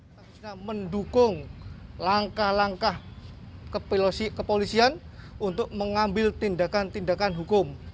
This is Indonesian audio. harusnya mendukung langkah langkah kepolisian untuk mengambil tindakan tindakan hukum